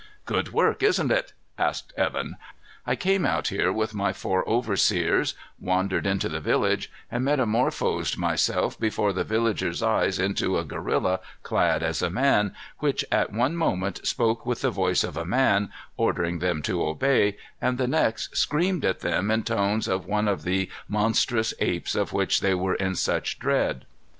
"Good work, isn't it?" asked Evan. "I came out here with my four overseers, wandered into the village, and metamorphosed myself before the villagers' eyes into a gorilla clad as a man, which at one moment spoke with the voice of a man, ordering them to obey, and the next screamed at them in tones of one of the monstrous apes of which they were in such dread.